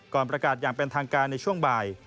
ประกาศอย่างเป็นทางการในช่วงบ่าย